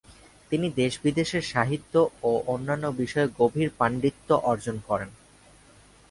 তিনি দেশ-বিদেশের সাহিত্য ও অন্যান্য বিষয়ে গভীর পাণ্ডিত্য অর্জন করেন।